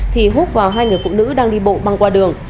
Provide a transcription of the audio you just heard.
thì hút vào hai người phụ nữ đang đi bộ băng qua đường